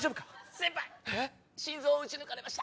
先輩心臓を撃ち抜かれました。